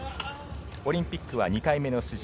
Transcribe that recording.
オリンピックは２回目の出場。